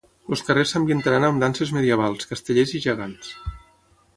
Els carrers s’ambientaran amb danses medievals, castellers i gegants.